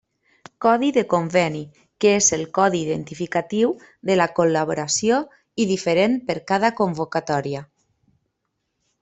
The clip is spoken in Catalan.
Codi de conveni, que és el codi identificatiu de la col·laboració i diferent per cada convocatòria.